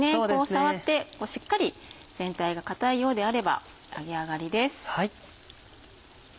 触ってしっかり全体が硬いようであれば揚げ上がりです。